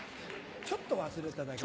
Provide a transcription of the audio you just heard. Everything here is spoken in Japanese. ちょっと忘れただけ。